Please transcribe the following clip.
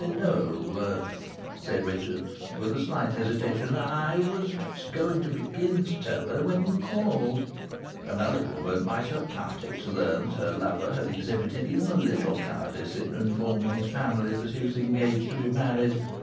"No!" said Richard, with a slight hesitation. "I was just going to begin to tell her when you called." Another woman might have pouted to learn that her lover had exhibited even a little cowardice in informing his family that he was engaged to be married.